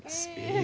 え！